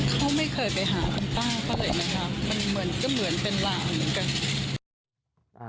เขาไม่เคยไปหาคุณป้าเท่าไหร่นะครับก็เหมือนเป็นร่างเหมือนกัน